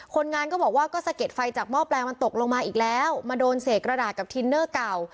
คนงานก็บอกว่าก็สะเก็ดไฟจากหม้อแปลงมันตกลงมาอีกแล้วมาโดนเศษกระดาษกับทินเนอร์เก่า